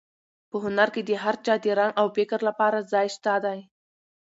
په هنر کې د هر چا د رنګ او فکر لپاره ځای شته دی.